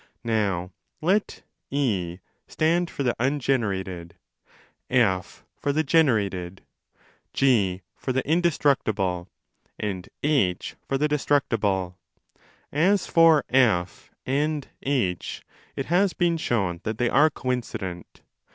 Now let Z stand for the ungenerated, 25 & for the generated, G for the indestructible, and AH for the destructible. As for F and H, it has been shown that they are coincident.